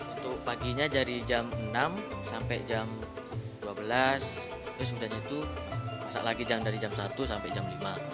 untuk paginya dari jam enam sampai jam dua belas terus kemudian itu masak lagi dari jam satu sampai jam lima